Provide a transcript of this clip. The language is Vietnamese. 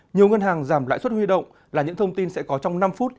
nhiều ngân hàng giảm lãi suất huy động là những thông tin sẽ có trong năm phút